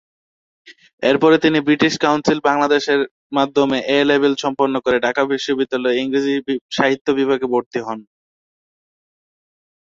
এরপরে তিনি British Council বাংলাদেশের মাধ্যমে এ-লেভেল সম্পন্ন করে ঢাকা বিশ্ববিদ্যালয়ে ইংরেজি সাহিত্য বিভাগে ভর্তি হন।